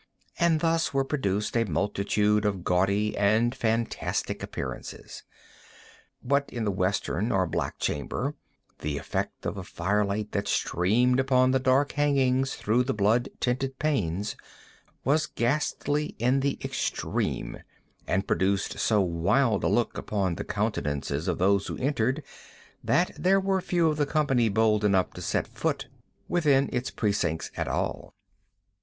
And thus were produced a multitude of gaudy and fantastic appearances. But in the western or black chamber the effect of the fire light that streamed upon the dark hangings through the blood tinted panes, was ghastly in the extreme, and produced so wild a look upon the countenances of those who entered, that there were few of the company bold enough to set foot within its precincts at all.